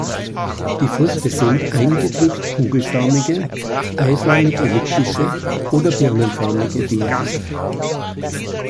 Die Früchte sind eingedrückt kugelförmige, eiförmig-elliptische oder birnenförmige Beeren.